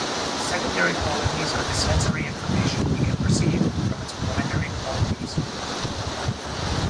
Secondary qualities are the sensory information we can perceive from its primary qualities.